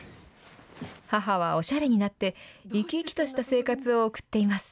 母は、おしゃれになって生き生きとした生活を送っています。